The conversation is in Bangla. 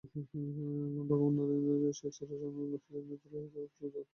ভগবান নারায়ণের সেই চরণ চিহ্নিত শিলা পূজিত হন এখানে দেবীর সাথে।